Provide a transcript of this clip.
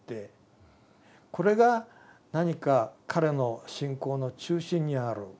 これが何か彼の信仰の中心にある。